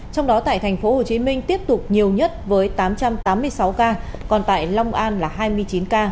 trong đó tại thành phố hồ chí minh tiếp tục nhiều nhất với tám trăm tám mươi sáu ca còn tại long an là hai mươi chín ca